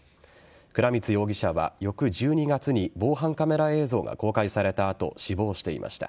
倉光容疑者は翌１２月に防犯カメラ映像が公開された後死亡していました。